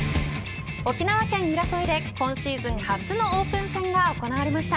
沖縄県浦添で今シーズン初のオープン戦が行われました。